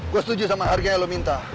gua setuju sama harganya lu minta